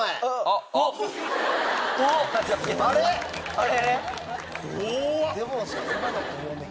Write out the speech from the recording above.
・あれ⁉